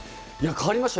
変わりました。